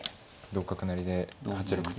同角成で８六桂。